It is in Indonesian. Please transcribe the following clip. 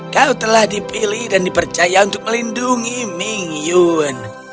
kau telah dipilih dan dipercaya untuk melindungi ming yun